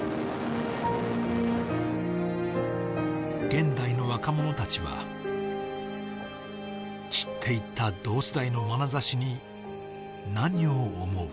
現代の若者たちは散っていった同世代のまなざしに何を思う。